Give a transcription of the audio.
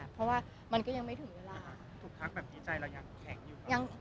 เพราะว่ามันก็ยังไม่ถึงเวลา